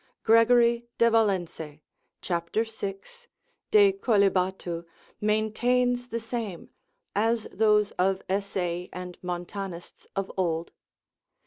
Gregory de Valence, cap. 6. de coelibat. maintains the same, as those of Essei and Montanists of old.